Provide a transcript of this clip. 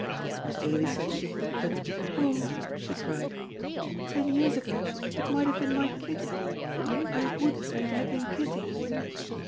Miss Ailie said she would, but, "Oh," she cried, "ten years ago it might have been my Kitty. I would that it had been Kitty!"